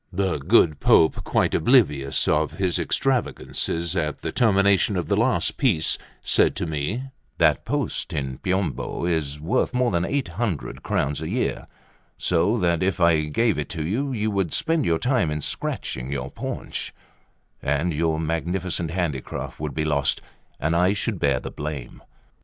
The good Pope, quite oblivious of his extravagances at the termination of the last piece, said to me: "That post in the Piombo is worth more than 800 crowns a year, so that if I gave it you, you would spend your time in scratching your paunch, and your magnificent handicraft would be lost, and I should bear the blame."